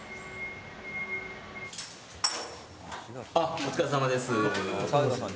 お疲れさまです。